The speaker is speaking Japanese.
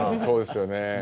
そうですよね。